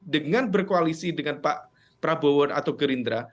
dengan berkoalisi dengan pak prabowo atau gerindra